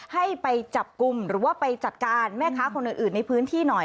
ให้ไปจับกลุ่มหรือว่าไปจัดการแม่ค้าคนอื่นในพื้นที่หน่อย